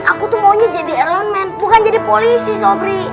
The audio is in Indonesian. aku tuh maunya jadi elemen bukan jadi polisi sobri